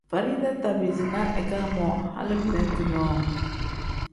Farida tabiizi na ika moo hali belente nyoo.